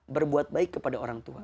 berbuat baik kepada orang tua